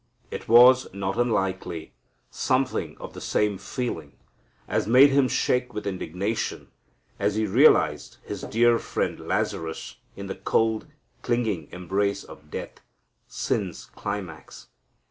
It was, not unlikely, something of the same feeling as made Him shake with indignation as He realized His dear friend Lazarus in the cold, clinging embrace of death, sin's climax.